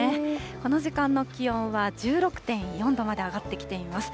この時間の気温は１６．４度まで上がってきています。